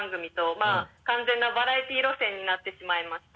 まぁ完全なバラエティー路線になってしまいました。